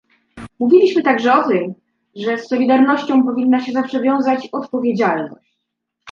Mówiliśmy także o tym, że z solidarnością powinna się zawsze wiązać odpowiedzialność